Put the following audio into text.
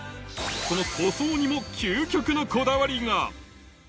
その塗装にも究極のこだわりが。